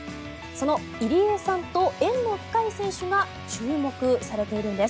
その入江さんと縁の深い選手が注目されているんです。